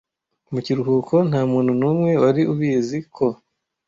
Mu kiruhuko nta muntu n'umwe wari ubizi; ko ,,